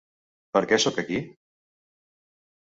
Per què sóc aquí?